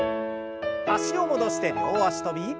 脚を戻して両脚跳び。